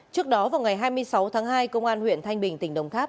trước đó vào ngày hai mươi sáu tháng hai công an huyện thanh bình tỉnh đồng tháp